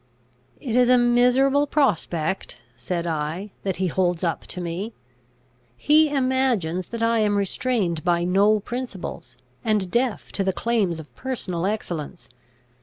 "It is a miserable prospect," said I, "that he holds up to me. He imagines that I am restrained by no principles, and deaf to the claims of personal excellence.